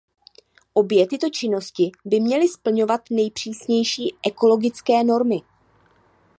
Obě tyto činnosti by měly splňovat nejpřísnější ekologické normy.